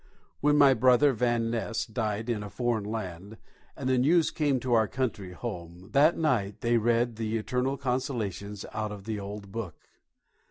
When my brother Van Nest died in a foreign land, and the news came to our country home, that night they read the eternal consolations out of the old book.